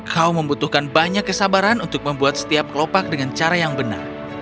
kau membutuhkan banyak kesabaran untuk membuat setiap kelopak dengan cara yang benar